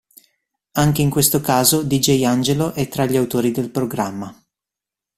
Anche in questo caso Dj Angelo è tra gli autori del programma.